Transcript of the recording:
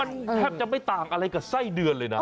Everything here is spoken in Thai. มันแทบจะไม่ต่างอะไรกับไส้เดือนเลยนะ